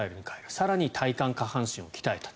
更に体幹、下半身を鍛えたと。